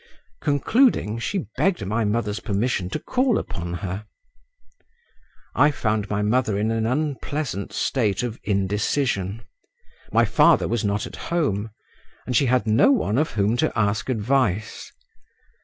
Concluding, she begged my mother's permission to call upon her. I found my mother in an unpleasant state of indecision; my father was not at home, and she had no one of whom to ask advice.